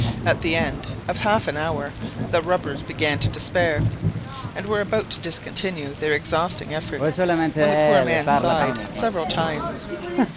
At the end of half an hour the rubbers began to despair, and were about to discontinue their exhausting efforts, when the poor man sighed several times.